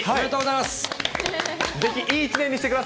ありがとうございます。